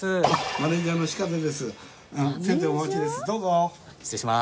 マネージャーの志風です。